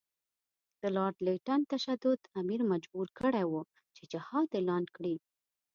د لارډ لیټن تشدد امیر مجبور کړی وو چې جهاد اعلان کړي.